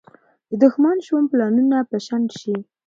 د دښمن شوم پلانونه به شنډ شي.